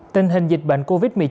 tình hình dịch bệnh covid một mươi chín